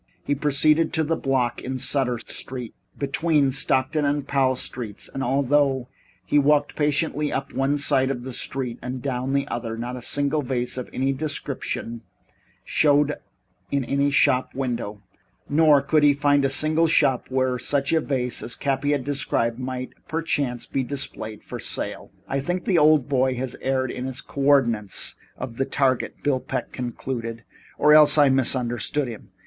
He proceeded to the block in Sutter Street between Stockton and Powell Streets, and although he walked patiently up one side of the street and down the other, not a single vase of any description showed in any shop window, nor could he find a single shop where such a vase as Cappy had described might, perchance, be displayed for sale. "I think the old boy has erred in the co ordinates of the target," Bill Peck concluded, "or else I misunderstood him.